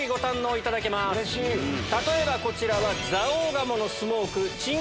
例えばこちらは。